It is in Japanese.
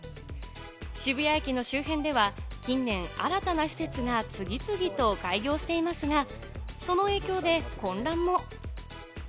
渋谷駅の周辺では近年、新たな施設が次々と開業していますが、その影響で混乱も。